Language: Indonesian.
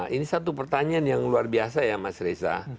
ini satu pertanyaan yang luar biasa ya mas reza